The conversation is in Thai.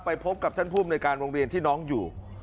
พบกับท่านภูมิในการโรงเรียนที่น้องอยู่